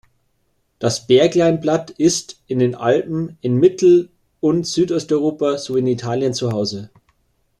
Das Berg-Leinblatt ist in den Alpen, in Mittel- und Südosteuropa, sowie in Italien zuhause.